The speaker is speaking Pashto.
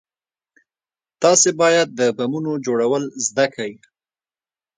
تاسې بايد د بمونو جوړول زده کئ.